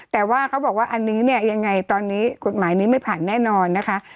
แต่ว่าเขาบอกว่าอันนี้เนี่ยยังไงตอนนี้กฎหมายนี้ไม่ผ่านแน่นอนนะคะ